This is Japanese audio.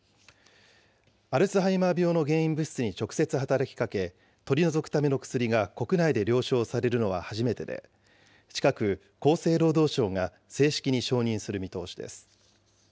アルツハイマー病の原因物質に直接働きかけ、取り除くための薬が国内で了承されるのは初めてで、近く厚生労働省が正式に承認する見通しです。